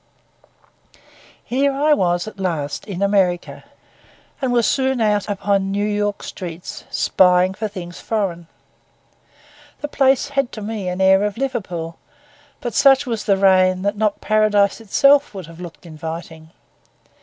Here I was at last in America, and was soon out upon New York streets, spying for things foreign. The place had to me an air of Liverpool; but such was the rain that not Paradise itself would have looked inviting.